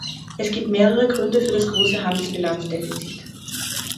Es gibt mehrere Gründe für das große Handelsbilanzdefizit.